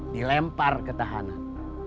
dilempar ke tahanan